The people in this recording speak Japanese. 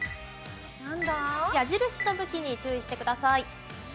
矢印の向きに注意してください。